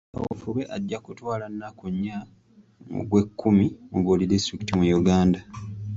Kaweefube ajja kutwala nnaku nnya mu gw'ekkumi mu buli disitulikiti mu Uganda.